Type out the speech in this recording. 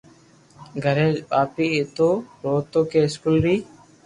گھري وائيين ايتو روتو ڪي اسڪول ري